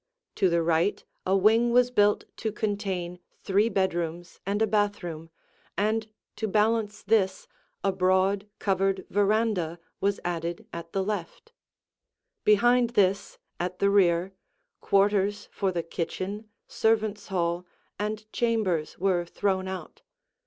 To the right a wing was built to contain three bedrooms and a bathroom, and to balance this a broad, covered veranda was added at the left; behind this, at the rear, quarters for the kitchen, servants' hall, and chambers were thrown out.